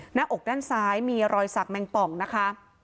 หน้าอกด้านซ้ายมีรอยสักแมงป่องนะคะ